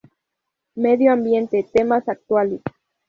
Medio ambiente– temas actuales:.